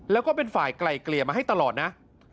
แล้วก็เป็นฝ่ายไกลเกลี่ยมาให้ตลอดนะ